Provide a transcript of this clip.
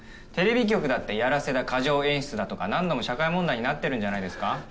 テレビ局だって「やらせだ」「過剰演出だ」とか何度も社会問題になってるんじゃないですか？